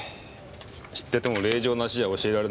知ってても令状なしじゃ教えられない。